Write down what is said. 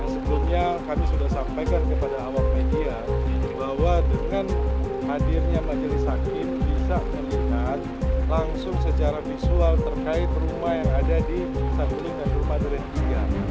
sebelumnya kami sudah sampaikan kepada awak media bahwa dengan hadirnya majelis hakim bisa melihat langsung secara visual terkait rumah yang ada di saguling dan rumah durian iii